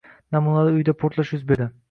Namunali uyda portlash yuz berdi